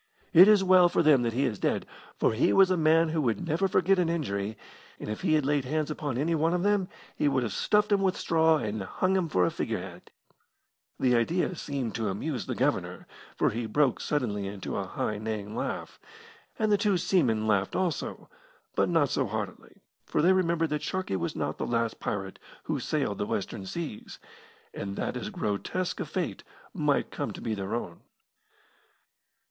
It is well for them that he is dead, for he was a man who would never forget an injury, and if he had laid hands upon any one of them he would have stuffed him with straw and hung him for a figure head." The idea seemed to amuse the Governor, for he broke suddenly into a high, neighing laugh, and the two seamen laughed also, but not so heartily, for they remembered that Sharkey was not the last pirate who sailed the western seas, and that as grotesque a fate might come to be their own.